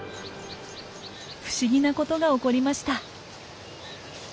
不思議なことが起こりました。